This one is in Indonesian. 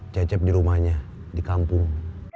cecep di rumahnya di kampung